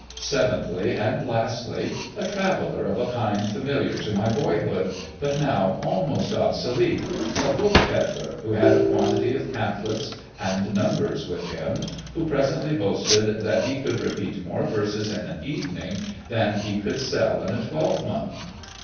Seventhly and lastly, a Traveller of a kind familiar to my boyhood, but now almost obsolete, — a Book Pedler, who had a quantity of Pamphlets and Numbers with him, and who presently boasted that he could repeat more verses in an evening than he could sell in a twelvemonth.